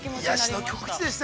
◆癒やしの極致でした。